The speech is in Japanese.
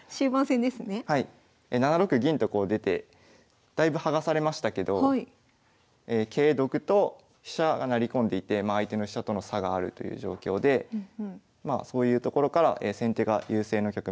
７六銀とこう出てだいぶ剥がされましたけど桂得と飛車が成り込んでいて相手の飛車との差があるという状況でまあそういうところから先手が優勢の局面になっています。